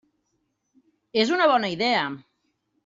És una bona idea!